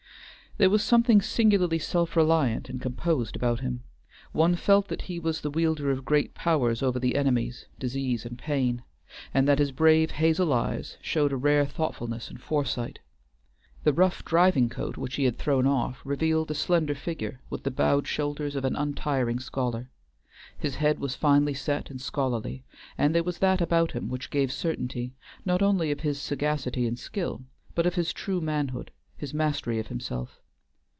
There was something singularly self reliant and composed about him; one felt that he was the wielder of great powers over the enemies, disease and pain, and that his brave hazel eyes showed a rare thoughtfulness and foresight. The rough driving coat which he had thrown off revealed a slender figure with the bowed shoulders of an untiring scholar. His head was finely set and scholarly, and there was that about him which gave certainty, not only of his sagacity and skill, but of his true manhood, his mastery of himself.